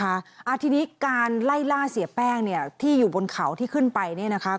อ่าทีนี้การไล่ล่าเสียแป้งเนี่ยที่อยู่บนเขาที่ขึ้นไปเนี่ยนะคะ